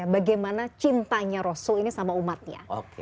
bagaimana cintanya rasul ini sama umatnya